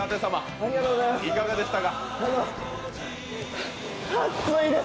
ありがとうございます。